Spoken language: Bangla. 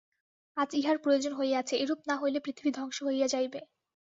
আজ ইহার প্রয়োজন হইয়াছে, এরূপ না হইলে পৃথিবী ধ্বংস হইয়া যাইবে।